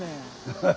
ハハハッ！